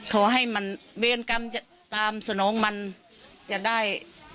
ขอให้มันเวรกรรมตามสนองมันจะได้